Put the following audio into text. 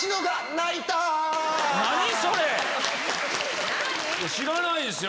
何それ⁉知らないですよ